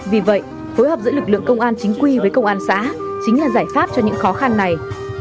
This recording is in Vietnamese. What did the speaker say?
vì vậy phối hợp giữa lực lượng công an chính quy với công an xã chính là giải pháp cho những khó khăn này